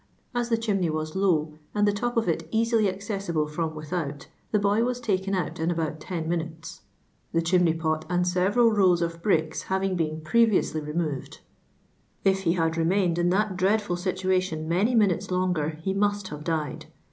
As the chimney was low, and the top of it e:uily accessible from without, the boy was taken out in alraut ten minutes, the chimney pot and several rows of bricks having been previously removed ; if be had renuiined in that dreadful situation many minutes longer, he must have died.